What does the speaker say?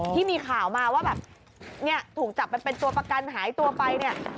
ที่มีข่าวมาว่าถูกจับเป็นตัวประกันหายตัวไปเนี่ย